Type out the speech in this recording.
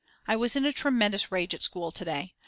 I was in a tremendous rage at school to day.